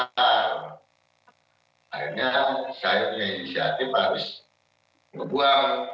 akhirnya saya punya inisiatif harus ngebuang